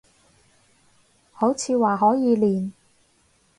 好似話可以練